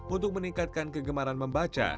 untuk meningkatkan kegemaran membaca